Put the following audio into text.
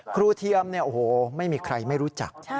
เทียมเนี่ยโอ้โหไม่มีใครไม่รู้จัก